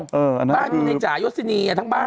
บ้านคุณไอจ๋ายศิเนียทั้งบ้าน